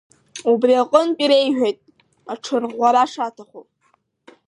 Убри аҟынтә иреиҳәеит, аҽырӷәӷәара шаҭаху…